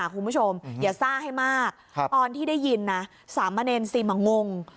คุณผู้ชมอย่าซ่าให้มากครับตอนที่ได้ยินน่ะสามเมรนด์ซิมอ่ะงง